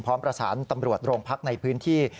พร้อมประสานตำรวจโรงพักษณ์ในพื้นที่